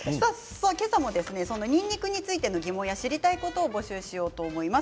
今朝も、にんにくについての疑問や知りたいことを募集しようと思います。